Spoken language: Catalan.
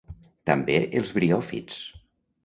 També els briòfits.